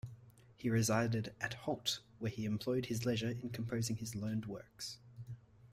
He resided at Holt, where he employed his leisure in composing his learned works.